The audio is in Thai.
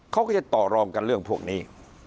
เขาก็จะต่อรองกันเรื่องพวกนี้